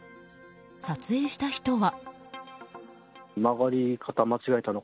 撮影した人は。